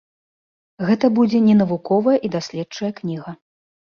Гэта будзе не навуковая і даследчая кніга.